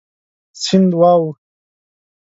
سیند واوښت.